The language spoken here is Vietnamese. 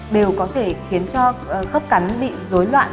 đều có thể khiến cho khớp cắn bị dối loạn